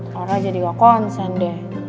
kalau jadi gak konsen deh